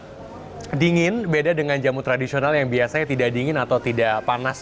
rasa dingin beda dengan jamu tradisional yang biasanya tidak dingin atau tidak panas